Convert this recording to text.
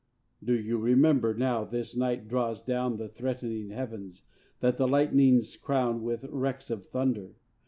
Do you remember, now this night draws down The threatening heavens, that the lightnings crown With wrecks of thunder?